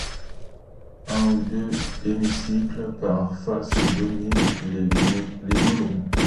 Un ou deux hémicycles par face dominent les godrons.